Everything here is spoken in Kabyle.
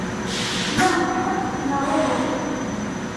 Tla lḥeqq, neɣ uhu?